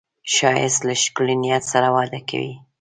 ښایست له ښکلي نیت سره وده کوي